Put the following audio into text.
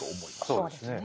そうですね。